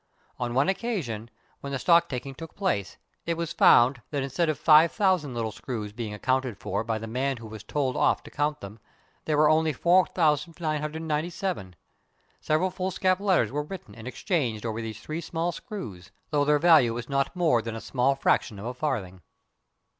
On one occasion, when the stocktaking took place, it was found that instead of 5000 little screws being accounted for by the man who was told off to count them, there were only 4997. Several foolscap letters were written and exchanged over these three small screws, though their value was not more than a small fraction of a farthing."